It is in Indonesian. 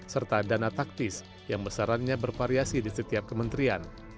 serta dana taktis yang besarannya bervariasi di setiap kementerian